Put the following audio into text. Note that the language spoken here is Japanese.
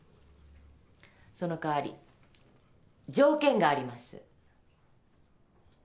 その代わり条件があります。